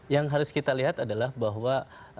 yang harus kita lihat adalah bahwa